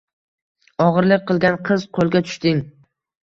O‘g‘irlik qilgan qiz qo‘lga tushding